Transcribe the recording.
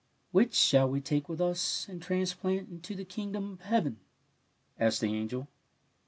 '' Which shall we take with us and trans plant into the kingdom of heaven? " asked the angel.